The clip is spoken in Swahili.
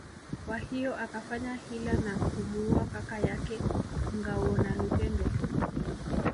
Kwa hiyo akafanya hila na kumuua kaka yake Ngawonalupembe